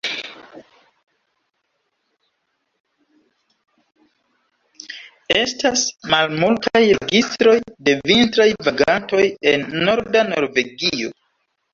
Estas malmultaj registroj de vintraj vagantoj en norda Norvegio.